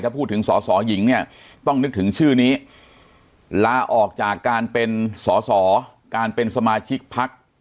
ถ้าพูดถึงสอสอหญิงเนี่ยต้องนึกถึงชื่อนี้ลาออกจากการเป็นสอสอการเป็นสมาชิกพัก